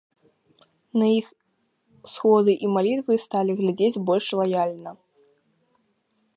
На іх сходы і малітвы сталі глядзець больш лаяльна.